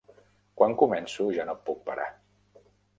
Quan començo, ja no puc parar.